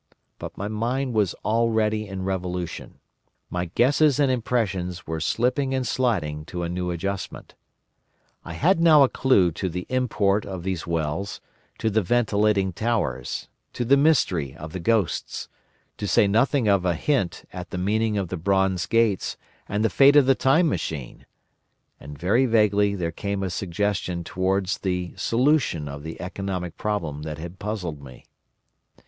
But my mind was already in revolution; my guesses and impressions were slipping and sliding to a new adjustment. I had now a clue to the import of these wells, to the ventilating towers, to the mystery of the ghosts; to say nothing of a hint at the meaning of the bronze gates and the fate of the Time Machine! And very vaguely there came a suggestion towards the solution of the economic problem that had puzzled me.